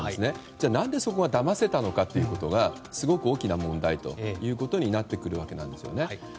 何でだませたのかということがすごく大きな問題ということになってくるわけなんですね。